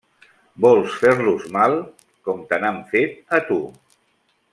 Vols fer-los mal com te n'han fet a tu.